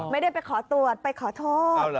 ไม่ได้ไปขอตรวจไปขอโทษ